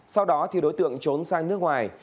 sau đó thì đối tượng trốn sang nước ngoài